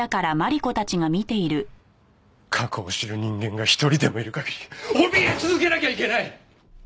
過去を知る人間が一人でもいる限りおびえ続けなきゃいけない！